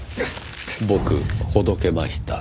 僕ほどけました。